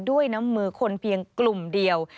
ด้วยน้ำมือคนเพียงกลุ่มเดียว